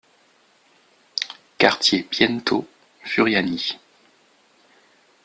Quartier Piento, Furiani